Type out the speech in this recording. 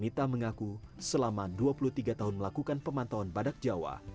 mita mengaku selama dua puluh tiga tahun melakukan pemantauan badak jawa